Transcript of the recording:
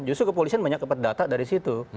justru kepolisian banyak dapat data dari situ